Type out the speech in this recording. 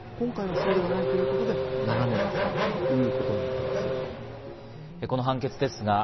今回はそうではないということで７年が最高ということになっています。